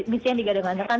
misi yang digadangkan